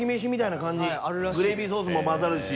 グレイビーソースも混ざるし。